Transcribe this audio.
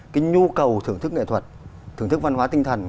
cái nhu cầu thưởng thức nghệ thuật thưởng thức văn hóa tinh thần